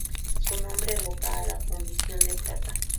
Su nombre evoca a la fundición de plata.